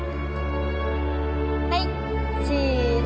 はいチーズ！